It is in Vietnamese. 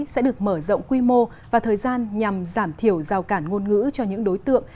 sẽ được mở rộng quy mô và thời gian nhằm giảm thiểu rào cản ngôn ngữ cho những đối tượng